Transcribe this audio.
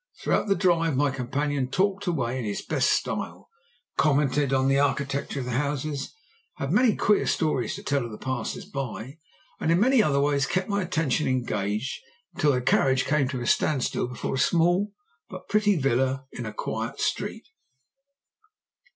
Throughout the drive my companion talked away in his best style; commented on the architecture of the houses, had many queer stories to tell of the passers by, and in many other ways kept my attention engaged till the carriage came to a standstill before a small but pretty villa in a quiet street.